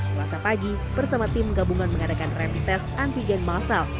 selasa pagi bersama tim menggabungkan mengadakan rempites antigen masal